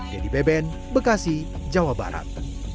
dedy beben bekasi jawa barat